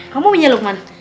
kamu punya lukman